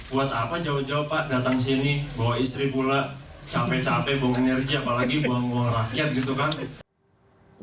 buat apa jauh jauh pak datang sini bawa istri pula capek capek bawa energi apalagi buang buang rakyat gitu kan